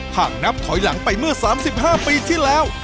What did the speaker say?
หากนับถอยหลังไปเมื่อ๓๕ปีที่แล้ว